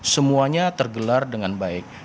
semuanya tergelar dengan baik